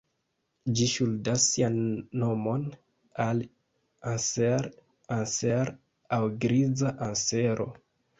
Ĝi ŝuldas sian nomon al "Anser Anser" aŭ griza ansero.